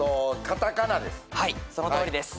そのとおりです。